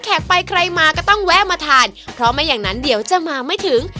เส้นเปียกนะลูกชิ้นเนื้อรวมแห้ง